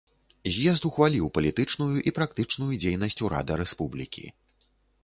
З'езд ухваліў палітычную і практычную дзейнасць урада рэспублікі.